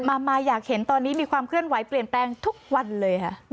มาอยากเห็นตอนนี้มีความเคลื่อนไหวเปลี่ยนแปลงทุกวันเลยค่ะ